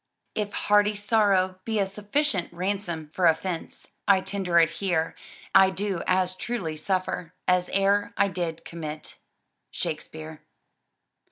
"If hearty sorrow Be a sufficient ransom for offence, I tender it here; I do as truly suffer, As e'er I did commit." SHAKESPEARE.